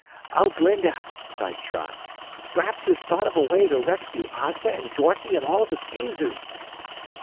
"Oh, Glinda," cried Trot, "Scraps has thought of a way to rescue Ozma and Dorothy and all of the Skeezers."